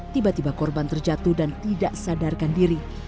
tiba tiba korban terjatuh dan tidak sadarkan diri